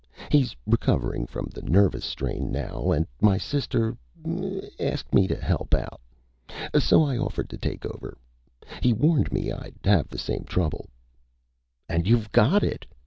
He's recovering from the nervous strain now, and my sister ... eh, asked me to help out. So I offered to take over. He warned me I'd have the same trouble." "And you've got it!"